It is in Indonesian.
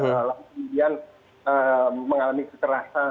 lalu kemudian mengalami keterasan